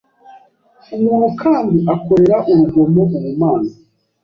Umuntu kandi akorera urugomo ubumana